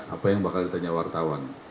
apa yang bakal ditanya wartawan